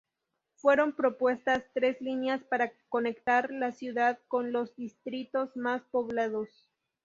Fueron propuestas tres líneas para conectar la ciudad con los distritos más poblados.